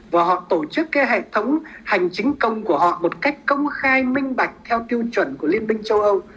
và họ tổ chức cái hệ thống hành chính công của họ một cách công khai minh bạch theo tiêu chuẩn của liên minh châu âu